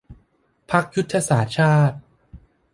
พรรคยุทธศาสตร์ชาติ